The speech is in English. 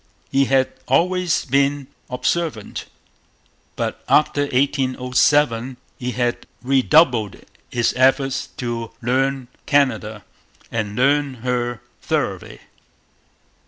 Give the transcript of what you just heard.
He had always been observant. But after 1807 he had redoubled his efforts to 'learn Canada,' and learn her thoroughly.